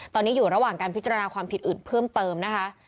ตอนนี้อยู่ระหว่างการพิจารณาความผิดอื่นเพิ่มเติมนะคะ